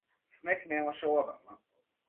Снег немаше одамна.